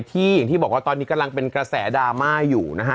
อย่างที่บอกว่าตอนนี้กำลังเป็นกระแสดราม่าอยู่นะฮะ